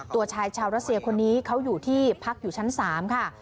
ตัวชายชาวรัสเซียคนนี้เขาอยู่ที่พักอยู่ชั้น๓ค่ะ